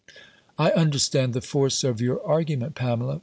"I understand the force of your argument, Pamela.